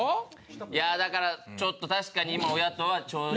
いやだからちょっと確かに親とは正直。